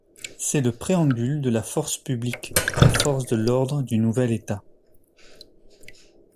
C'est le préambule de la Force publique, la force de l'ordre du nouvel état.